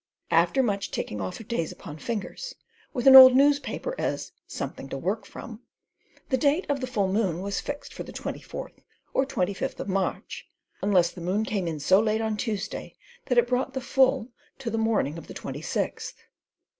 After much ticking off of days upon fingers, with an old newspaper as "something to work from," the date of the full moon was fixed for the twenty fourth or twenty fifth of March, unless the moon came in so late on Tuesday that it brought the full to the morning of the twenty sixth.